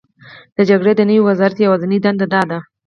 د جګړې د نوي وزرات یوازینۍ دنده دا ده: